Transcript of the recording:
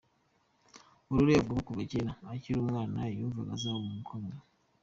Aurore avuga ko kuva kera akiri umwana, yumvaga azaba umuntu ukomeye.